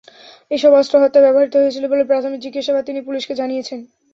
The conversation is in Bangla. এসব অস্ত্র হত্যায় ব্যবহৃত হয়েছিল বলে প্রাথমিক জিজ্ঞাসাবাদে তিনি পুলিশকে জানিয়েছেন।